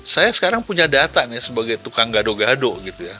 saya sekarang punya data nih sebagai tukang gado gado gitu ya